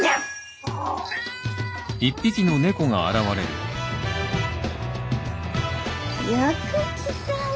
よく来たね！